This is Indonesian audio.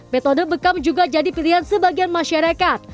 metode bekam juga jadi pilihan sebagian masyarakat